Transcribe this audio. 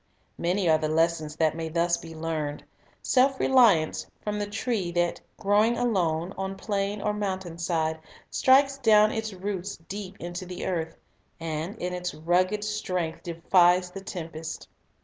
Many are the lessons that may thus be learned. Self reliance, from the tree that, growing alone on plain or mountainside, strikes down its roots deep into the earth, and in its rugged strength defies the tempest.